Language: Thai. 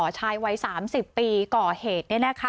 ชายวัย๓๐ปีก่อเหตุ